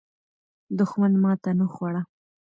دښمن ماته نه خوړه.